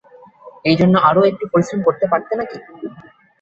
এর জন্যে আরো একটু পরিশ্রম করতে পারতে না কি?